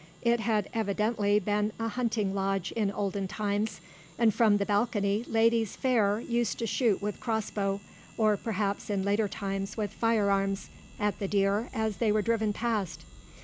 It had evidently been a hunting lodge in olden times, and from the balcony ladies fair used to shoot with cross bow, or, perhaps, in later times with fire arms, at the deer as they were driven past.